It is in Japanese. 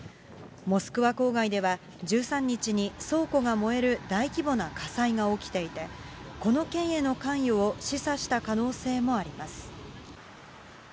モスクワ郊外では、１３日に倉庫が燃える大規模な火災が起きていて、この件への関与を示唆した可能性もあります。